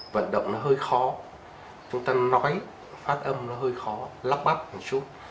vận động nó hơi khó chúng ta nói phát âm nó hơi khó lóc bắp một chút